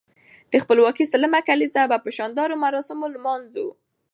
د خپلواکۍ سلم کاليزه به په شاندارو مراسمو نمانځو.